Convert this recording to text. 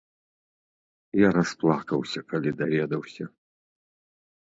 Я расплакаўся, калі даведаўся.